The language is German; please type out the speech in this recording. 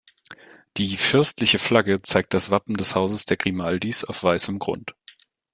Die „Fürstliche Flagge“ zeigt das Wappen des Hauses der Grimaldis auf weißem Grund.